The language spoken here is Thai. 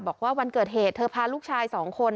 บอกว่าวันเกิดเหตุเธอพาลูกชาย๒คน